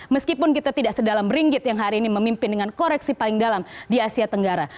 meskipun kita tidak sedalam ringgit yang hari ini memimpin dengan koreksi paling dalam di asia tenggara